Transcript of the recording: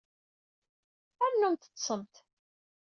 Rnumt ḍṣemt.